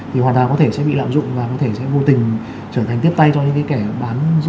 thì hoàn toàn có thể sẽ bị lạm dụng và có thể sẽ vô tình trở thành tiếp tay cho những cái kẻ bán